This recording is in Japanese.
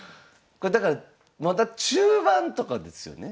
だからまだ中盤とかですよね？